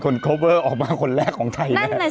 ของลิซ่าเองเลย